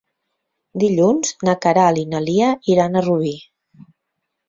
Dilluns na Queralt i na Lia iran a Rubí.